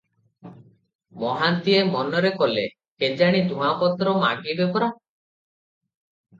ମହାନ୍ତିଏ ମନରେ କଲେ, କେଜାଣି ଧୂଆଁପତ୍ର ମାଗିବେ ପରା?